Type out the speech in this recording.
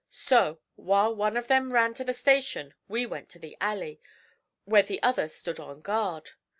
So, while one of them ran to the station we went to the alley, where the other stood on guard.